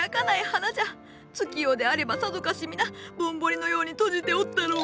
月夜であればさぞかし皆ぼんぼりのように閉じておったろう。